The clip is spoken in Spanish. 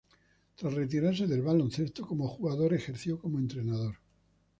Tras retirarse del baloncesto como jugador, ejerció como entrenador.